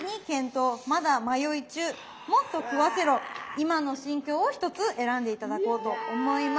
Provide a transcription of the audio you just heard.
今の心境を１つ選んで頂こうと思います。